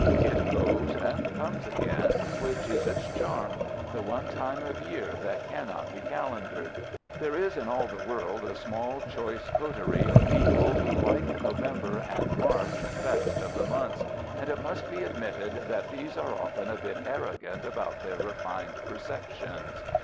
It goes, and comes again, which is its charm—the one time of year that cannot be calendared. There is in all the world a small, choice coterie of people who like November and March best of the months, and it must be admitted that these are often a bit arrogant about their refined perceptions.